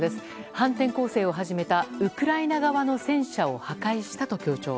反転攻勢を始めたウクライナ側の戦車を破壊したと強調。